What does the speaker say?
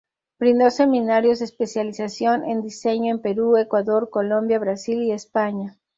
Brindó seminarios de especialización en diseño en Perú, Ecuador, Colombia, Brasil y España.